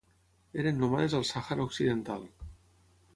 Eren nòmades al Sàhara occidental.